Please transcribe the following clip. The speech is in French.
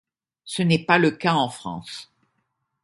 Ce n'est pas le cas en France.